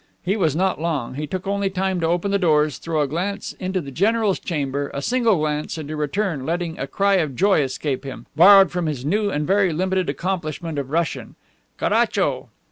He was not long. He took only time to open the doors, throw a glance into the general's chamber, a single glance, and to return, letting a cry of joy escape him, borrowed from his new and very limited accomplishment of Russian, "Caracho!"